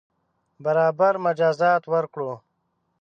برابر مجازات ورکړو.